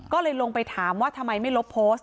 ก็เลยลงไปถามว่าทำไมไม่ลบโพสต์